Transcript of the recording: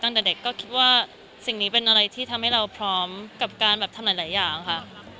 ะว่าสิ่งนี้เป็นอะไรที่ทำให้เราพร้อมกับการทำหลายอย่างค่ะ